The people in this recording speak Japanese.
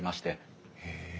へえ。